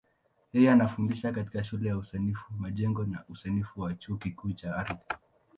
Yeye alifundisha katika Shule ya Usanifu Majengo na Usanifu wa Chuo Kikuu cha Ardhi.